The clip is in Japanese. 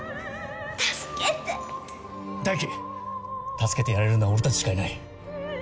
助けてやれるのは俺たちしかいない。